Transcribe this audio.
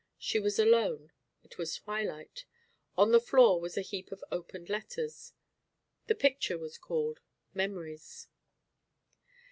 She was alone; it was twilight; on the floor was a heap of opened letters. The picture was called "Memories."